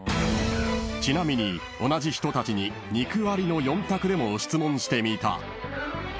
［ちなみに同じ人たちに肉ありの４択でも質問してみた］